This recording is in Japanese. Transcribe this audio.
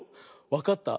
わかった？